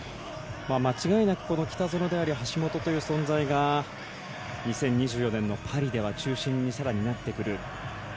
間違いなく北園であり橋本という存在が２０２４年のパリでは更に中心になってくる。